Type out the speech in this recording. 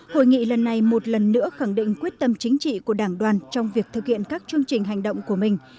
hội nghị lần này một lần nữa khẳng định quyết tâm chính trị của đảng đoàn trong việc thực hiện các chương trình hành động của mình